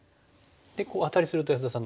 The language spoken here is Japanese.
でアタリすると安田さん